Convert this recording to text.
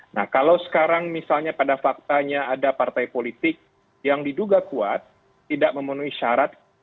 nah kalau sekarang misalnya pada faktanya ada partai politik yang diduga kuat tidak memenuhi syarat